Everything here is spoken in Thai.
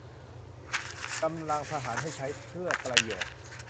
กำลังทหารให้ใช้เพื่อประโยชน์